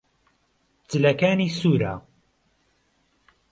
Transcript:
جلەکانی سوورە.